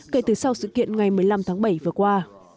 kể từ sau sự kiện ngày một mươi năm tháng bảy vừa qua